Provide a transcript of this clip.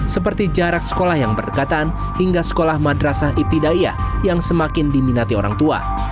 seperti jarak sekolah yang berdekatan hingga sekolah madrasah ibtidaya yang semakin diminati orang tua